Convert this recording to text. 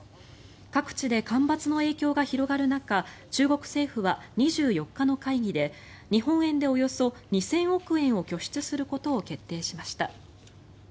各地で干ばつの影響が広がる中中国政府は２４日の会議で日本円でおよそ２０００億円を拠出することを決定しました。